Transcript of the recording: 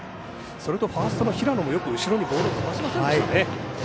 それとファーストの平野もよくにボールをそらしませんでしたね。